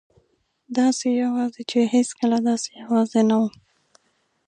داسې یوازې چې هېڅکله داسې یوازې نه وم.